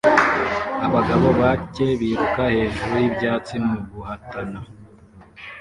Abagabo bake biruka hejuru y'ibyatsi mu guhatana